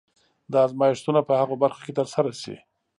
دا ازمایښتونه په هغو برخو کې ترسره شي.